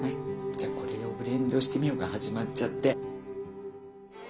「じゃこれをブレンドしてみよう」が始まっちゃって。